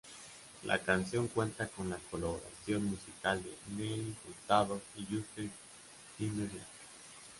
La canción cuenta con la colaboración musical de Nelly Furtado y Justin Timberlake.